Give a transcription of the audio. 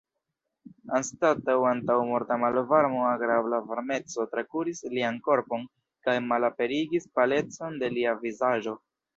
Anstataŭ antaŭmorta malvarmo agrabla varmeco trakuris lian korpon kaj malaperigis palecon de lia vizaĝo.